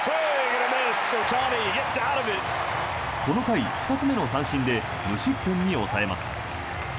この回２つ目の三振で無失点に抑えます。